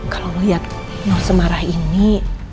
kalau lo lihat noh semarah ini